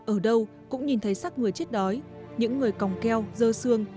ở đâu cũng nhìn thấy sắc người chết đói những người còng keo dơ xương